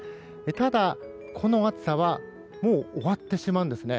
ただ、この暑さはもう終わってしまうんですね。